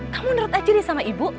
kamu nerut aja deh sama ibu